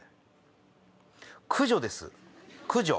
駆除です駆除。